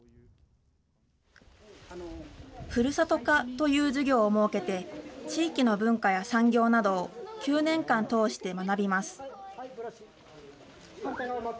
ふるさと科という授業を設けて、地域の文化や産業などを９年間通して学びます。